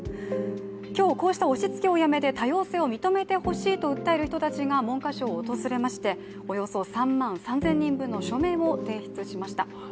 今日、こうした押しつけをやめて多様性を認めてほしいと訴える人たちが、文科省を訪れまして、およそ３万３０００人分の署名を提出しました。